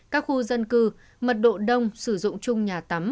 các khu dân cư mật độ đông sử dụng chung nhà tắm